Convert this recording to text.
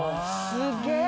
すげえ！